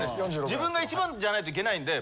自分が一番じゃないといけないんで。